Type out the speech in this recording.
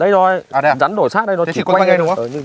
đây thôi rắn đổi sát đây nó chỉ quanh đây